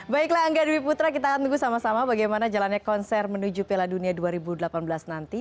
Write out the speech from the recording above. baiklah angga dwi putra kita akan tunggu sama sama bagaimana jalannya konser menuju piala dunia dua ribu delapan belas nanti